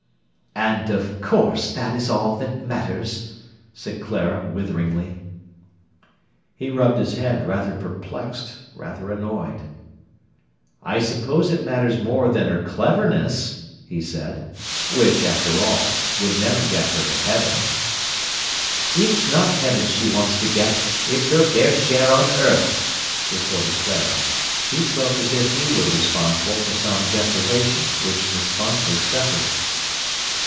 "And, of course, that is all that matters," said Clara witheringly. He rubbed his head, rather perplexed, rather annoyed. "I suppose it matters more than her cleverness," he said; "which, after all, would never get her to heaven." "It's not heaven she wants to get—it's her fair share on earth," retorted Clara. She spoke as if he were responsible for some deprivation which Miss Bonford suffered.